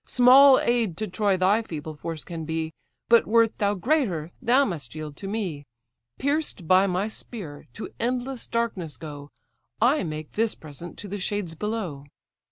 Small aid to Troy thy feeble force can be; But wert thou greater, thou must yield to me. Pierced by my spear, to endless darkness go! I make this present to the shades below."